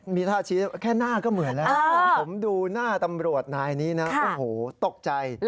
มีท่าชี้แค่หน้าก็เหมือนแล้วผมดูหน้าตำรวจนายนี้นะโอ้โหตกใจ